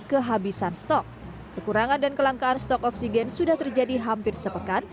kehabisan stok kekurangan dan kelangkaan stok oksigen sudah terjadi hampir sepekan